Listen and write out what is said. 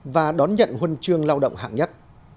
và đón nhận huân chương lao động hạng nhất